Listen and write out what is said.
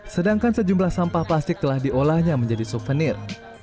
sedangkan sejumlah sampah plastik telah diolahnya menjadi souvenir